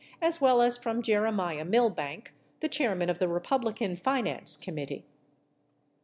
as well as from Jeremiah Milbank, the chairman of the Republican Finance Committee.